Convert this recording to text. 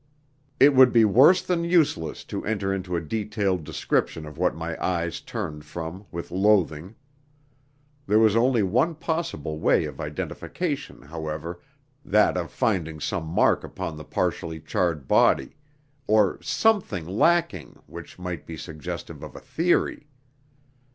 It would be worse than useless to enter into a detailed description of what my eyes turned from with loathing. There was only one possible way of identification, however, that of finding some mark upon the partially charred body, or something lacking which might be suggestive of a theory.